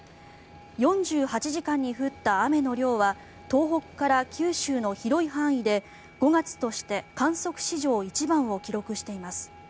４８時間に降った雨の量は東北から九州の広い範囲で５月として観測史上一番を記録しています。